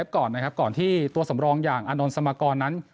ก่อนนะครับก่อนที่ตัวสำรองอย่างอานนท์สมกรนั้น